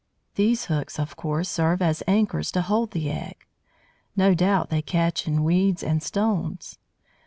These hooks, of course, serve as anchors to hold the egg: no doubt they catch in weeds and stones.